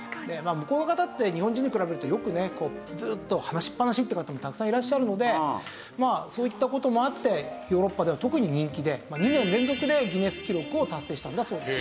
向こうの方って日本人に比べるとよくねずっと話しっぱなしって方もたくさんいらっしゃるのでまあそういった事もあってヨーロッパでは特に人気で２年連続でギネス記録を達成したんだそうです。